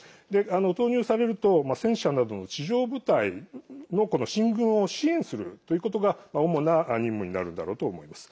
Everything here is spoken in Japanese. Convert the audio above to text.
投入されると戦車などの地上部隊の進軍を支援するということが主な任務になるんだろうと思います。